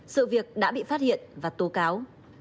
sự việc đã bị phát hiện và tố cáo